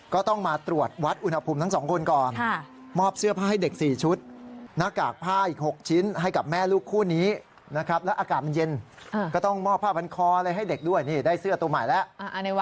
ก็ต้องมอบผ้าพันธุ์คอให้เด็กด้วยนี่ได้เสื้อตัวใหม่แล้ว